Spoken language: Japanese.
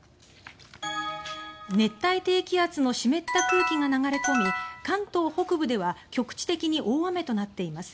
熱帯低気圧の湿った空気が流れ込み関東北部では局地的に大雨となっています。